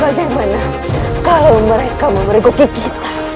bagaimana kalau mereka memergoki kita